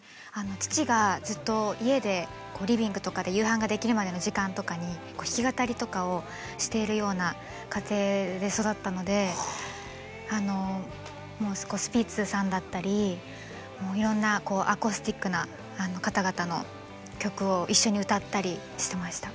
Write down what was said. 父がずっと家でリビングとかで夕飯ができるまでの時間とかに弾き語りとかをしているような家庭で育ったのでスピッツさんだったりもういろんなアコースティックな方々の曲を一緒に歌ったりしてました。